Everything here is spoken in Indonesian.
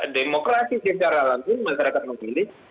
demokrasi secara langsung masyarakat memilih